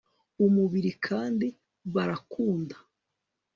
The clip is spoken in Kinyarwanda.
umubiri kandi barakunda